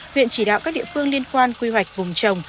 huyện chỉ đạo các địa phương liên quan quy hoạch vùng trồng